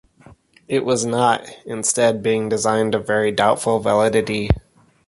It was not, instead being designated of very doubtful validity.